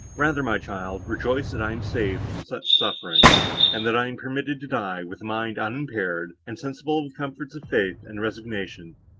Rather, my child, rejoice, that I am saved from such suffering, and that I am permitted to die with a mind unimpaired, and sensible of the comforts of faith and resignation."